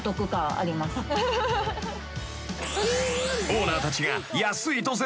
［オーナーたちが］